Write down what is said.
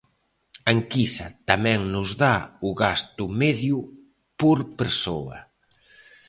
A enquisa tamén nos dá o gasto medio por persoa.